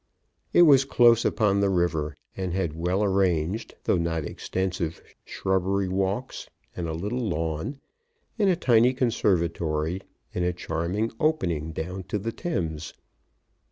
It was close upon the river, and had well arranged, though not extensive, shrubbery walks, and a little lawn, and a tiny conservatory, and a charming opening down to the Thames.